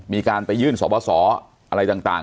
มีการไปยื่นสบสออะไรต่าง